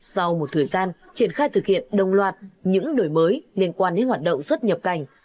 sau một thời gian triển khai thực hiện đồng loạt những đổi mới liên quan đến hoạt động xuất nhập cảnh